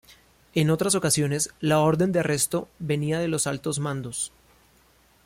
En otras ocasiones la orden de arresto venía de los altos mandos.